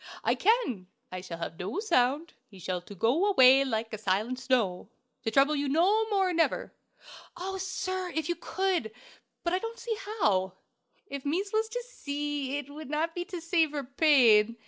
I can. I shall have no sound; he shall to go away like a silent snow, to trouble you no more, never!" "Oh, sir, if you could! But I don't see how!" "If mees was to see, it would not be to save her pain.